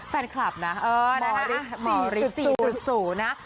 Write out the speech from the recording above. แฟนคลับน่ะเออนะคะหมอฤทธิ์๔๐หมอฤทธิ์๔๐นะ